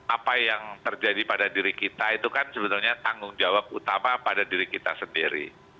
apa yang terjadi pada diri kita itu kan sebetulnya tanggung jawab utama pada diri kita sendiri